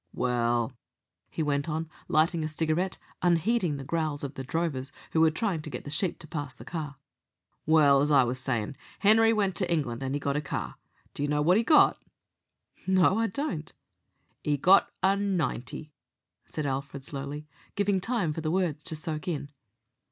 "Well," he went on, lighting a cigarette, unheeding the growls of the drovers, who were trying to get the sheep to pass the car, "well, as I was sayin', Henery went to England, and he got a car. Do you know wot he got?" "No, I don't." "'E got a ninety," said Alfred slowly, giving time for the words to soak in.